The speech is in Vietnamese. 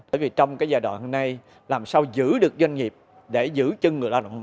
bởi vì trong cái giai đoạn hôm nay làm sao giữ được doanh nghiệp để giữ chân người lao động